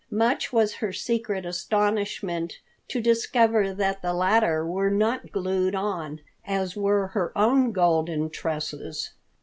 Much was her secret astonishment to discover that the latter were not glued on, as were her own golden tresses.